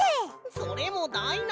それもだいなし！